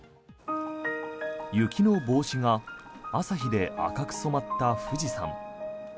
雪の帽子が朝日で赤く染まった富士山。